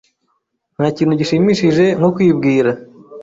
Ntakintu gishimishije nko kwibira.